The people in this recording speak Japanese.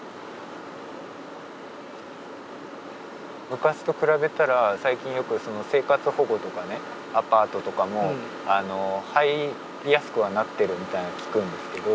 昔と比べたら最近よく生活保護とかねアパートとかも入りやすくはなってるみたいな聞くんですけど。